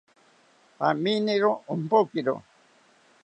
Aminiro ompokiro